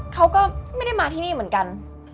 เขาก็ไม่ได้มาที่นี่เหมือนกัน